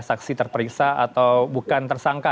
saksi terperiksa atau bukan tersangka